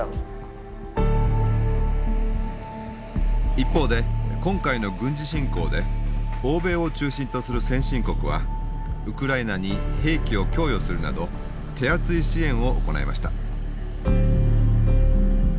一方で今回の軍事侵攻で欧米を中心とする先進国はウクライナに兵器を供与するなど手厚い支援を行いました。